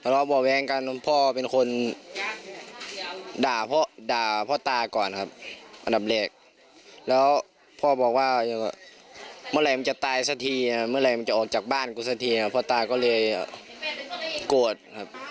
เราบ่อแวงกันพ่อเป็นคนด่าพ่อด่าพ่อตาก่อนครับอันดับแรกแล้วพ่อบอกว่าเมื่อไหร่มันจะตายสักทีเมื่อไหร่มันจะออกจากบ้านกูสักทีครับพ่อตาก็เลยโกรธครับ